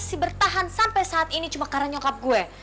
masih bertahan sampai saat ini cuma karena nyokap gue